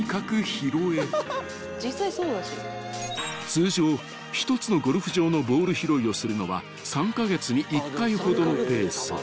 ［通常１つのゴルフ場のボール拾いをするのは３カ月に１回ほどのペース］